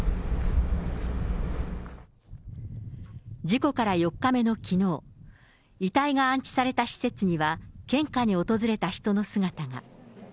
事故から４日目のきのう、遺体が安置された施設には献花に訪れた人の姿が。